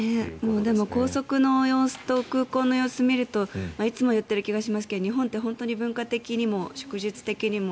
でも高速の様子と空港の様子を見るといつも言っている気がしますが日本って本当に文化的にも祝日的にも、